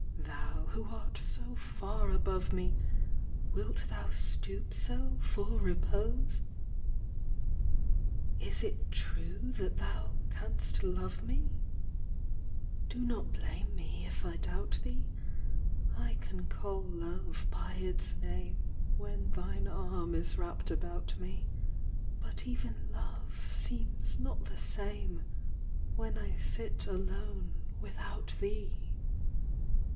Thou, who art so far above me, Wilt thou stoop so, for repose ? Is it true that thou canst love me ? 184 PROOF AUD DISPROOF. vm. Do not blame me if I doubt thee. I can call love by its name When thine arm is wrapt about me ; But even love seems not the same,, When I sit alone, without thee.